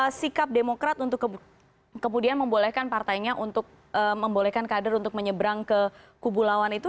bagaimana sikap demokrat untuk kemudian membolehkan partainya untuk membolehkan kader untuk menyeberang ke kubu lawan itu